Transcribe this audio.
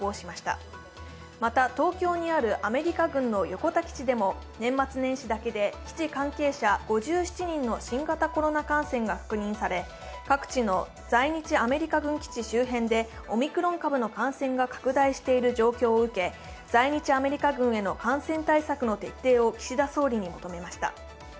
また、東京にあるアメリカ軍の横田基地でも基地関係者５７人の新型コロナ感染が確認され各地の在日アメリカ軍基地周辺でオミクロン株の感染が拡大している状況を受け、在日アメリカ軍への感染対策の徹底を岸田総理に求めました。